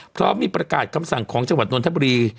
เพราะมีประกาศของจังหวัดนทบุรี